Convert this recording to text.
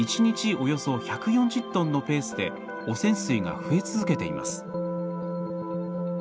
およそ１４０トンのペースで汚染水が増え続けています。